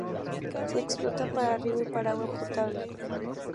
Se explota para riego y para agua potable.